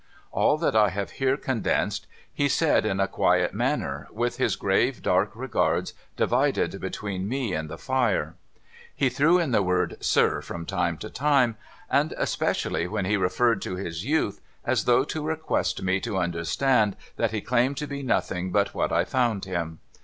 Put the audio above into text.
All that I have here condensed he said in a (juiet manner, with his grave, dark regards divided between me and the fire. He threw in the word, ' Sir,' from time to time, and especially when he referred to his youth, — as though to request me to understand that he claimed to be nothing but what I found him.